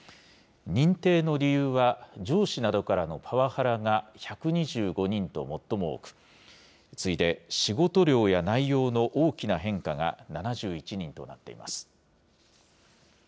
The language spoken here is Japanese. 認定の理由は、上司などからのパワハラが１２５人と最も多く、次いで、仕事量や内容の大きな変化が７１人となっています。